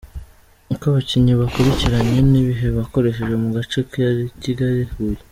Ukoabakinnyi bakurikiranye n’ibihe bakoresheje mu gace Kigali-Huye